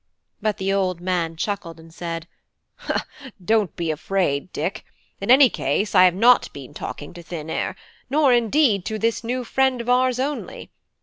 But the old man chuckled and said: "Don't be afraid, Dick. In any case, I have not been talking to thin air; nor, indeed to this new friend of ours only.